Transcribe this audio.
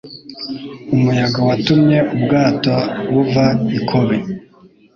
Umuyaga watumye ubwato buva i Kobe.